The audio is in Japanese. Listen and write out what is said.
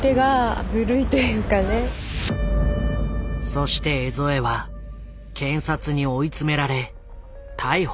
そして江副は検察に追い詰められ逮捕される。